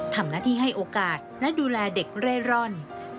ทำหน้าที่ให้โอกาสและดูแลเด็กเร่ร่อน